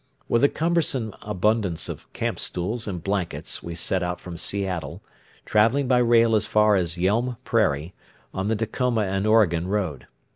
With a cumbersome abundance of campstools and blankets we set out from Seattle, traveling by rail as far as Yelm Prairie, on the Tacoma and Oregon road.